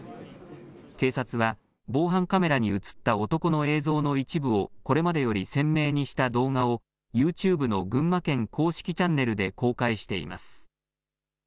警察は防犯カメラに写った男の映像の一部をこれまでより鮮明にした動画をＹｏｕＴｕｂｅの群馬県公式チャンネルで公開しています。